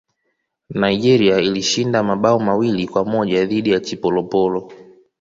nigeria ilishinda mabao mawili kwa moja dhidi ya chipolopolo